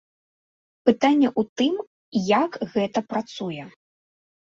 Пытанне ў тым, як гэта працуе.